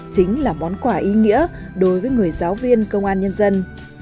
chính là món quà ý nghĩa đối với người giáo viên công an nhân dân